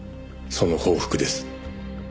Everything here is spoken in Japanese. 「その報復です」